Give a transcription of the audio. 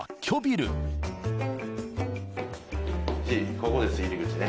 ここです入り口ね。